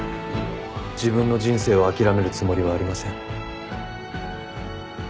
自分の人生を諦めるつもりはありません。